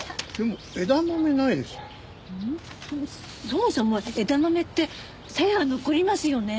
そもそも枝豆ってサヤ残りますよね。